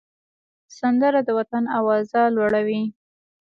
سندره د وطن آواز لوړوي